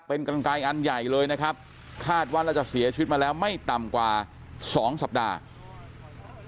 เป็นกำลังกายอันใหญ่เลยนะครับคาดว่าเราจะเสียชีวิตมาแล้วไม่ต่ำกว่าสองสัปดาห์